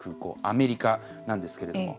アメリカなんですけれども。